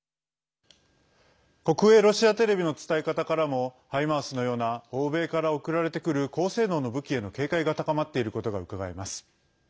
国営ロシアテレビの伝え方からも「ハイマース」のような欧米から送られてくる高性能の武器への警戒が高まっていることがうかがえます。